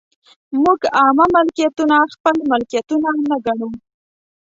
موږ عامه ملکیتونه خپل ملکیتونه نه ګڼو.